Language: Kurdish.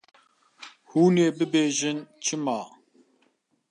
Hûn ê bibêjin çima?